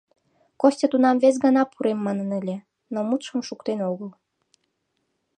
Костя тунам вес гана пурем манын ыле, но мутшым шуктен огыл.